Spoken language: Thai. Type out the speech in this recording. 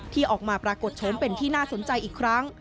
ที่ออกมาปรากฏเฉินเป็นที่น่าสนใจอีกครั้ง